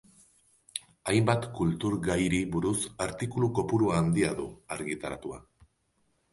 Hainbat kultur gairi buruz artikulu kopuru handia du argitaratua.